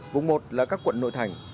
vùng một là các quận nội thành